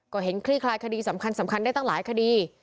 ก็เห็นคลี่คลายคดีสำคัญได้ตั้งหลายคดี